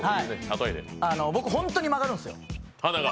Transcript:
僕、本当に曲がるんですよ。